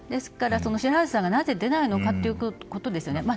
白波瀬さんがなぜ出ないのかということですね。